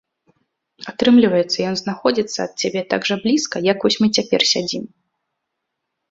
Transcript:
Атрымліваецца, ён знаходзіцца ад цябе так жа блізка, як вось мы цяпер сядзім.